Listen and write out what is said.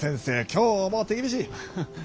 今日も手厳しい。